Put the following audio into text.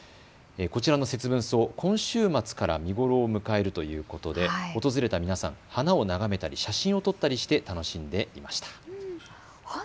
こちらのセツブンソウ、今週末から見頃を迎えるということで花を眺めたり写真を眺めたりして楽しんでいました。